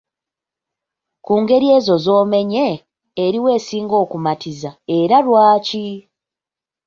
Ku ngeri ezo z’omenye, eriwa esinga okumatiza era lwaki?